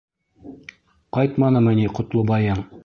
Ҡайтманымы ни Ҡотлобайың?